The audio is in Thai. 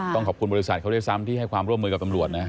ต้องขอบคุณบริษัทเขาด้วยซ้ำที่ให้ความร่วมมือกับตำรวจนะ